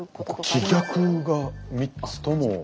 僕気逆が３つとも。